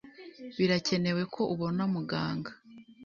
Birakenewe ko ubona muganga.